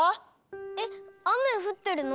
えっあめふってるの？